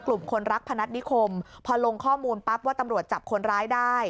คนรักพนัฐนิคมพอลงข้อมูลปั๊บว่าตำรวจจับคนร้ายได้